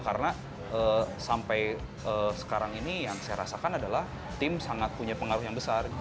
karena sampai sekarang ini yang saya rasakan adalah tim sangat punya pengaruh yang besar